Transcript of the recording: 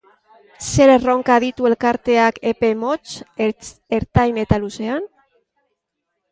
Zer erronka ditu elkarteak epe motz, ertain eta luzean?